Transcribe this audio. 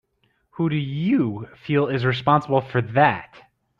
Who do you feel is responsible for that?